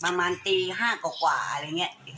ประมาณตี๕กว่าอะไรอย่างนี้